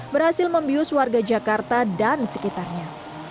berhasil membius warga jakarta dan sekitarnya